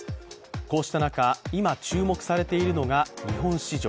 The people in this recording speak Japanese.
こうした中、今、注目されているのが日本市場。